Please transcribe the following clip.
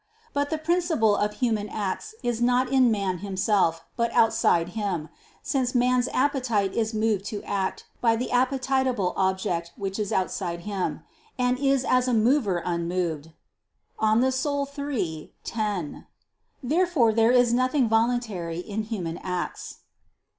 But the principle of human acts is not in man himself, but outside him: since man's appetite is moved to act, by the appetible object which is outside him, and is as a "mover unmoved" (De Anima iii, 10). Therefore there is nothing voluntary in human acts.